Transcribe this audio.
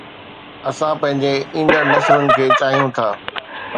اسان پنهنجي ايندڙ نسلن کي چاهيون ٿا